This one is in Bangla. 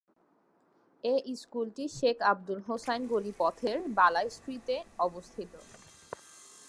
এই স্কুলটি শেখ আব্দুল হোসাইন গলি পথের বালা স্ট্রিটে অবস্থিত।